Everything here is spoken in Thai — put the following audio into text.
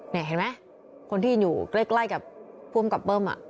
นี่เห็นไหมคนที่อยู่ใกล้กับภูมิกับเบิ้ม